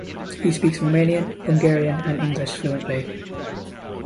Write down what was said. He speaks Romanian, Hungarian and English fluently.